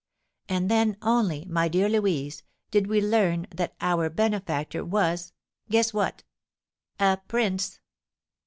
And then only, my dear Louise, did we learn that our benefactor was guess what a prince!